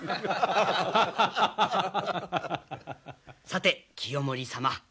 さて清盛様